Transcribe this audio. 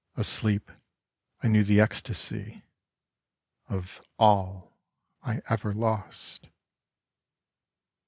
Asleep, I knew the ecstasy Of all I ever lost.